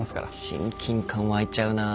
親近感湧いちゃうな。